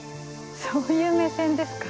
そういう目線ですか。